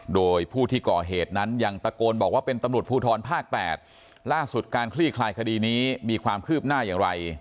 โดยผู้ที่ก่อเหตุนั้นยังตะโกนบอกว่าเป็นตำรวจภูทรภาค๘ล่าสุดการคลี่คลายคดีนี้มีความคืบหน้าอย่างไร